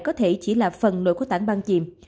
có thể chỉ là phần nguy hiểm